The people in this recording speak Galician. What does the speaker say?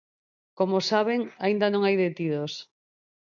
Como saben, aínda non hai detidos.